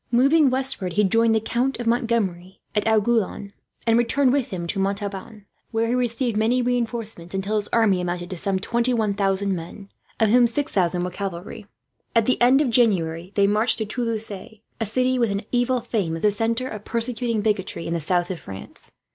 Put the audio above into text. Moving westward he joined the Count of Montgomery at Aiguillon, and returned with him to Montauban, where he received many reinforcements; until his army amounted to some twenty one thousand men, of whom six thousand were cavalry. At the end of January they marched to Toulouse, a city with an evil fame, as the centre of persecuting bigotry in the south of France.